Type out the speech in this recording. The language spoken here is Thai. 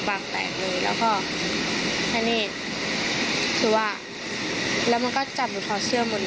ปากแตกเลยแล้วก็ให้นี่คือว่าแล้วมันก็จับหนูถอดเสื้อหมดเลย